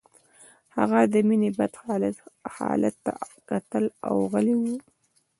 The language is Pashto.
هغه د مينې بد حالت ته کتل او غلی و